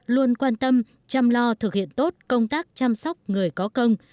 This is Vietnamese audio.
luôn quan tâm chăm lo thực hiện tốt công tác chăm sóc người có công